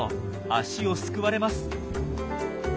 足をすくわれます。